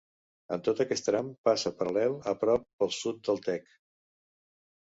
En tot aquest tram passa paral·lel a prop pel sud del Tec.